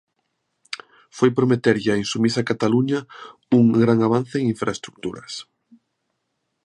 Foi prometerlle á insubmisa Cataluña un gran avance en infraestruturas.